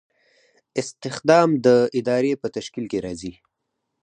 استخدام د ادارې په تشکیل کې راځي.